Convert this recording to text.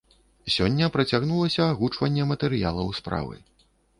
Сёння працягнулася агучванне матэрыялаў справы.